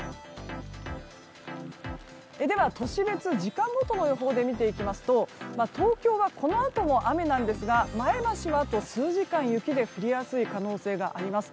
では、都市別、時間ごとの予報で見ていきますと東京はこのあとも雨なんですが前橋はあと数時間、雪で降りやすい可能性があります。